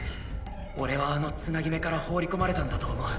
おれはあのつなぎ目から放り込まれたんだと思う。